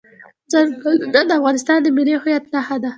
ځنګلونه د افغانستان د ملي هویت نښه ده.